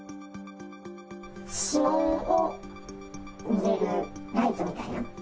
指紋を見れるライトみたいな。